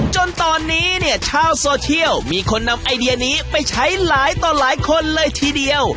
จนตอนนี้เนี่ยชาวโซเชียลมีคนนำไอเดียนี้ไปใช้หลายต่อหลายคนเลยทีเดียว